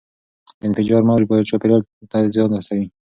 د انفجار موج چاپیریال ته زیان رسوي.